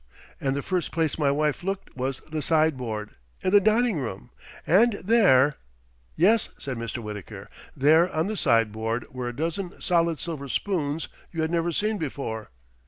and the first place my wife looked was the sideboard, in the dining room, and there " "Yes," said Mr. Wittaker. "There, on the sideboard, were a dozen solid silver spoons you had never seen before."